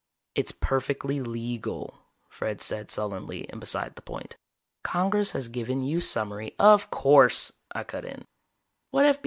"It's perfectly legal," Fred said sullenly and beside the point. "Congress has given you summary " "Of course," I cut in. "What F.B.I.